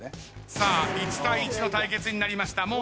さあ１対１の対決になりました。